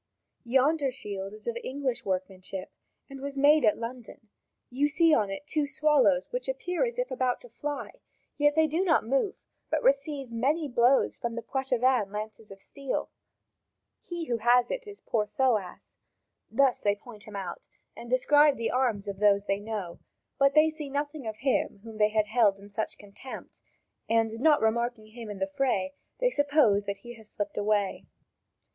Yonder shield is of English workmanship and was made at London; you see on it two swallows which appear as if about to fly; yet they do not move, but receive many blows from the Poitevin lances of steel; he who has it is poor Thoas." Thus they point out and describe the arms of those they know; but they see nothing of him whom they had held in such contempt, and, not remarking him in the fray, they suppose that he has slipped away.